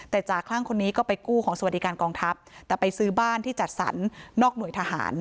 แต่จ่าคลั่งคนนี้ก็ไปกู้ของสวัสดิการกองทัพแต่ไปซื้อบ้านที่จัดสรรนอกหน่วยทหาร